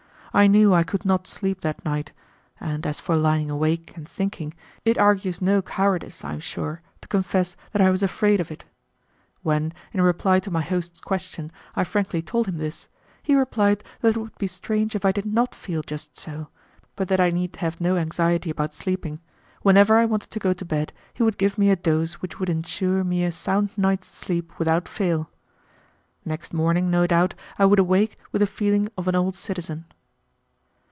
I knew I could not sleep that night, and as for lying awake and thinking, it argues no cowardice, I am sure, to confess that I was afraid of it. When, in reply to my host's question, I frankly told him this, he replied that it would be strange if I did not feel just so, but that I need have no anxiety about sleeping; whenever I wanted to go to bed, he would give me a dose which would insure me a sound night's sleep without fail. Next morning, no doubt, I would awake with the feeling of an old citizen.